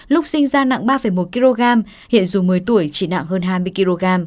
lúc sinh ra nặng ba một kg hiện dù một mươi tuổi chỉ nặng hơn hai mươi kg